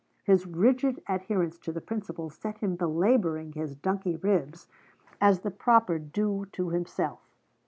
His rigid adherence to the principle set him belabouring his donkey ribs, as the proper due to himself.